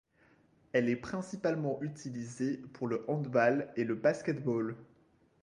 Elle est principalement utilisée pour le handball et le basket-ball.